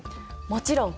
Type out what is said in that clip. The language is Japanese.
もちろん！